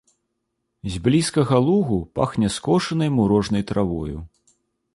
З блізкага лугу пахне скошанай мурожнай травою.